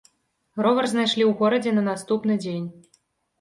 Ровар знайшлі ў горадзе на наступны дзень.